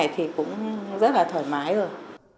thì cũng rất là thoải mái rồi